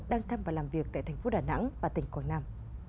đang thăm và làm việc tại thành phố đà nẵng và tỉnh quảng nam